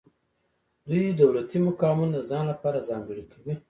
دوی دولتي مقامونه د ځان لپاره ځانګړي کوي.